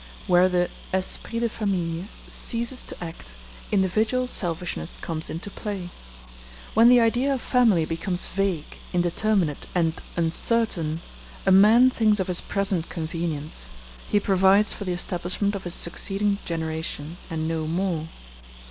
Where the esprit de famille ceases to act individual selfishness comes into play. When the idea of family becomes vague, indeterminate, and uncertain, a man thinks of his present convenience; he provides for the establishment of his succeeding generation, and no more.